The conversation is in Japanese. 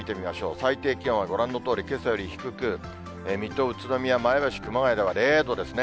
最低気温はご覧のとおり、けさより低く、水戸、宇都宮、前橋、熊谷では０度ですね。